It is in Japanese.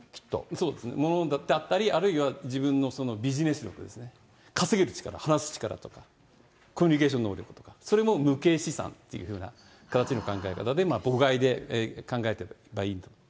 そうです、ものだったり、あるいは自分のビジネス力ですね、稼げる力、増やす力、コミュニケーション能力とか、それも無形資産というふうな形の考え方で、で考えていけばいいと。